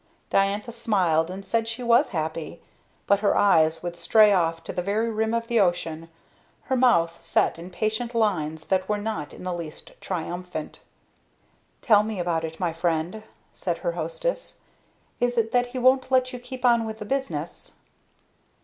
Diantha smiled and said she was happy; but her eyes would stray off to the very rim of the ocean; her mouth set in patient lines that were not in the least triumphant. "Tell me about it, my friend," said her hostess. "Is it that he won't let you keep on with the business?"